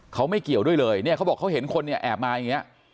เขาไม่เกี่ยวด้วยเลยเนี่ยเขาบอกเขาเห็นคนเนี่ยแอบมาอย่างนี้